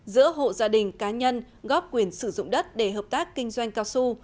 giữa hộ gia đình cá nhân góp quyền sử dụng đất để hợp tác kinh doanh cao su